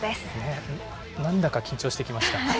なんだか緊張してきました。